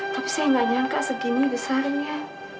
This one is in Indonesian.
tapi saya nggak nyangka segini besarnya